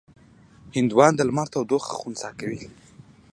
هندوانه د لمر تودوخه خنثی کوي.